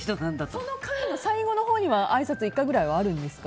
その会の最後のほうにはあいさつ１回ぐらいありますか？